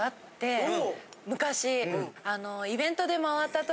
昔。